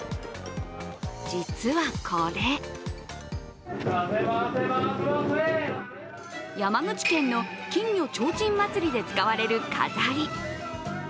実はこれ山口県の金魚ちょうちん祭りで使われる飾り。